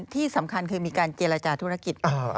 ที่สำคัญคือมีการเจรจาธุรกิจ